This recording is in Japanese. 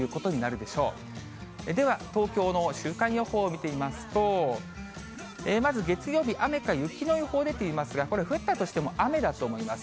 では、東京の週間予報見てみますと、まず月曜日、雨か雪の予報出ていますが、これ、降ったとしても雨だと思います。